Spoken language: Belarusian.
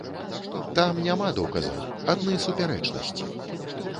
Там няма доказаў, адны супярэчнасці.